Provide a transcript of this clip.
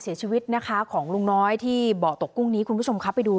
เสียชีวิตนะคะของลุงน้อยที่เบาะตกกุ้งนี้คุณผู้ชมครับไปดู